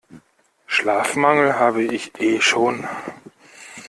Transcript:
Schlafmangel habe ich eh schon.